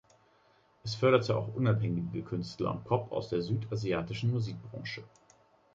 Es förderte auch unabhängige Künstler und Pop aus der südasiatischen Musikbranche.